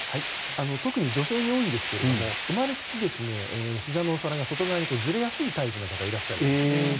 特に女性に多いんですが生まれつき、ひざのお皿が外にずれやすいタイプの方がいらっしゃるんですね。